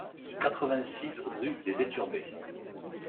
quatre-vingt-six rue des Eturbées